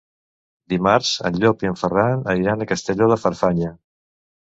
Dimarts en Llop i en Ferran aniran a Castelló de Farfanya.